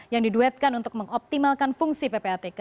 yang diduetkan untuk mengoptimalkan fungsi ppatk